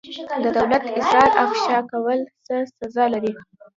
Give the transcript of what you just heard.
د دولت اسرار افشا کول څه سزا لري؟